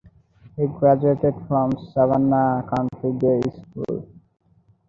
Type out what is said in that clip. He graduated from Savannah Country Day School.